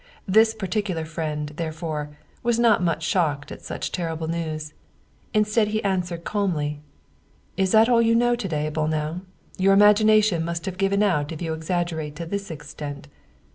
This particular friend, therefore, was not much shocked at such terrible news. Instead, he answered calmly: "Is that all you know to day, Bolnau? Your imagination must have given out if you exaggerate to this extent.